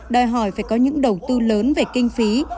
đòi hỏi phải có những đầu tư lớn về kinh phí